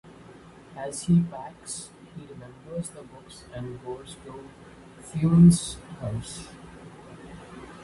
As he packs, he remembers the books and goes to Funes's house.